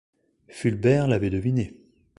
Fulbert l’avait deviné.